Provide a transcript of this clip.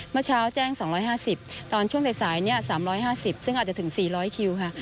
เมื่อเช้าแจ้ง๒๕๐ตอนช่วงสาย๓๕๐ซึ่งอาจจะถึง๔๐๐คิวค่ะ